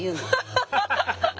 ハハハハ！